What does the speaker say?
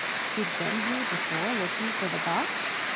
"He'd been here before looking for the box?"